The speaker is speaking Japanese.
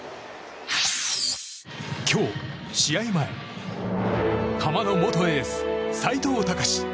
今日、試合前ハマの元エース・斎藤隆